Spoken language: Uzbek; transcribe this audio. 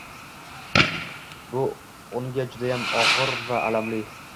Bu unga judayam ogʻir va alamli